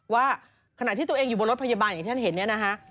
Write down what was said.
ว่าขณะที่ตัวเองอยู่บนรถพยาบาลอย่างที่ท่านเห็นเนี่ยนะคะ